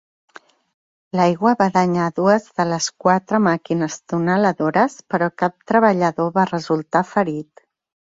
L'aigua va danyar dues de les quatre màquines tuneladores, però cap treballador va resultar ferit.